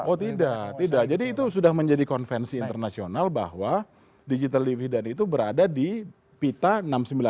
oh tidak tidak jadi itu sudah menjadi konvensi internasional bahwa digital dividend itu berada di pita enam ratus sembilan puluh empat sampai delapan ratus enam gitu